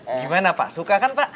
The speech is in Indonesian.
gimana pak suka kan pak